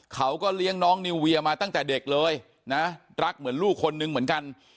เขาก็เลี้ยงน้องนิวเวียมาตั้งแต่เด็กเลยนะรักเหมือนลูกคนนึงเหมือนกัน